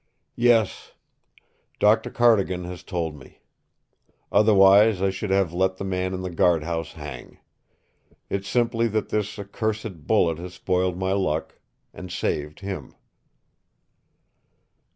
"Yes. Dr. Cardigan has told me. Otherwise I should have let the man in the guard house hang. It's simply that this accursed bullet has spoiled my luck and saved him!"